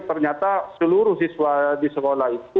ternyata seluruh siswa di sekolah itu